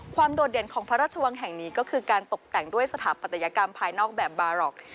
โดดเด่นของพระราชวังแห่งนี้ก็คือการตกแต่งด้วยสถาปัตยกรรมภายนอกแบบบารอก